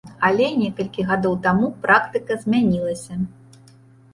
Але некалькі гадоў таму практыка змянілася.